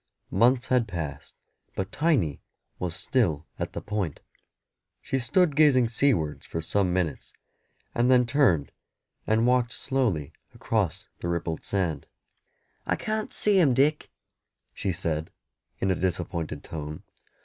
Months had passed, but Tiny was still at the Point. She stood gazing seawards for some minutes, and then turned and walked slowly across the rippled sand. "I can't see him, Dick," she said, in a disappointed tone.